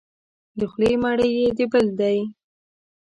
د خولې مړی یې د بل دی.